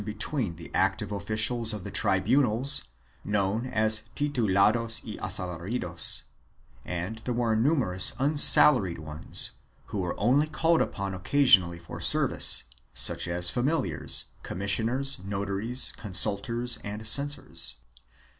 (375) 376 PRIVILEGES AND EXEMPTIONS [BOOK II the active officials of the tribunals, known as titulados y asalaridos, and the more numerous unsalaried ones, who were only called upon occasionally for service, such as familiars, commissioners, notaries, consultors and censors.